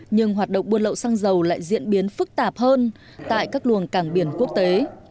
nhưng hoạt động buôn lậu xăng dầu lại diễn biến phức tạp hơn tại các luồng cảng biển quốc tế